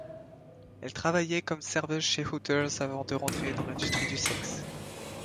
Elle travaillait comme serveuse chez Hooters avant de rentrer dans l'industrie du sexe.